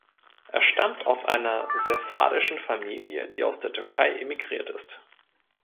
Er stammt aus einer sephardischen Familie, die aus der Türkei immigriert ist.